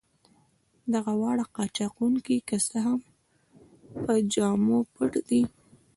دغه واړه قاچاق وړونکي که څه هم په جامو پټ دي.